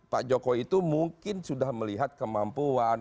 pak jokowi itu mungkin sudah melihat kemampuan